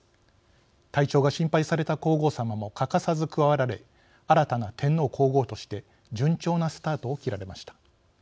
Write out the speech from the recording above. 体調が心配された皇后さまも欠かさず加わられ新たな天皇皇后として順調なスタートを切られました。